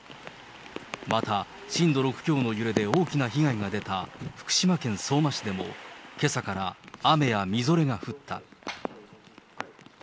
また震度６強の揺れで大きな被害が出た福島県相馬市でも、けさから雨やみぞれが降った。